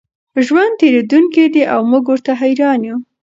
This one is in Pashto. ژوند تېرېدونکی دی او موږ ورته حېران یو.